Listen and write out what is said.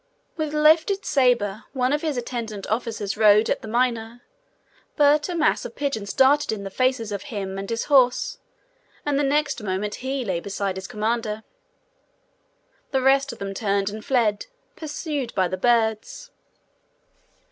With lifted sabre, one of his attendant officers rode at the miner. But a mass of pigeons darted in the faces of him and his horse, and the next moment he lay beside his commander. The rest of them turned and fled, pursued by the birds.